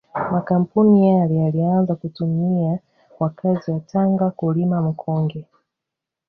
Makampuni yale yalianza kutumia wakazi wa Tanga kulima mkonge